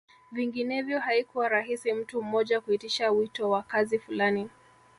Vinginevyo haikuwa rahisi mtu mmoja kuitisha wito wa kazi fulani